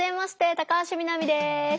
高橋みなみです。